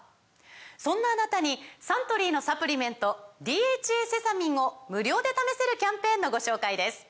そんなあなたにサントリーのサプリメント「ＤＨＡセサミン」を無料で試せるキャンペーンのご紹介です